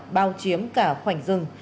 bao chiếm cả khoảnh rừng